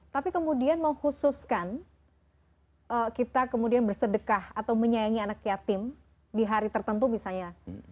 tapi kemudian menghususkan kita kemudian bersedekah atau menyayangi anak yatim di hari tertentu misalnya